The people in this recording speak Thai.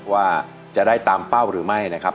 ว่าจะได้ตามเป้าหรือไม่นะครับ